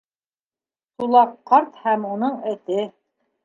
— «Сулаҡ ҡарт һәм уның эте».